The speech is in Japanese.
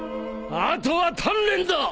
あとは鍛錬だ！